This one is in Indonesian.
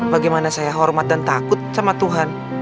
bagaimana saya hormat dan takut sama tuhan